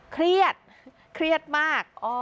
เครียดเครียดมาก